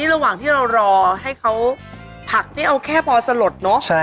อาแล้วระหว่างที่เรารอให้เขาผักเนี่ยเอาแค่เพาะสลดเนอะ